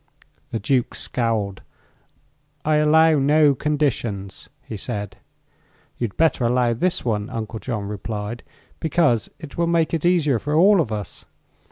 The Duke scowled. "I allow no conditions," he said. "You'd better allow this one," Uncle John replied, "because it will make it easier for all of us.